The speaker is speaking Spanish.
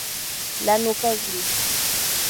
La nuca es gris.